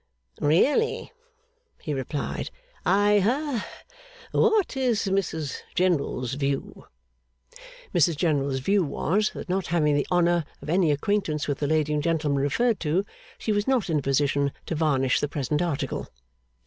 'Really,' he replied, 'I ha what is Mrs General's view?' Mrs General's view was, that not having the honour of any acquaintance with the lady and gentleman referred to, she was not in a position to varnish the present article.